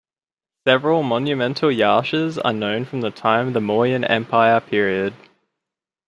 Several monumental Yashas are known from the time the Mauryan Empire period.